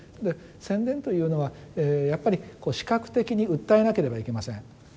で宣伝というのはやっぱり視覚的に訴えなければいけません。